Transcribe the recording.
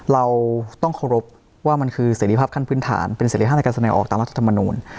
เราต้องเคารพว่ามันคือเสร็จภาพขั้นพื้นฐานเป็นเสร็จภาพในการแสดงออกตามรัฐธรรมนูล